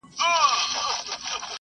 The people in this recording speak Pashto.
زه مخکي اوبه څښلې وې؟